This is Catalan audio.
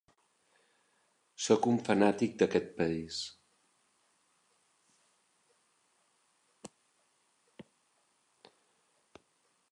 Sóc un fanàtic d'aquest país.